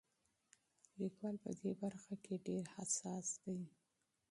لیکوال په دې برخه کې ډېر حساس دی.